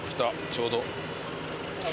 ちょうど。